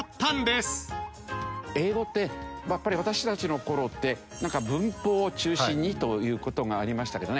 英語ってやっぱり私たちの頃って文法を中心にという事がありましたけどね